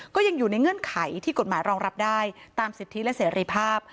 ก็ยังอยู่ในเงื่อนไขที่กฎหมายรองรับได้ตามสิทธิและเสรีภาพ